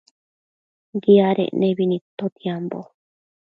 Diadec nebi nidtotiambo